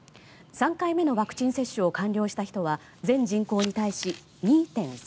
３回目のワクチン接種を完了した人は全人口に対し２．３％。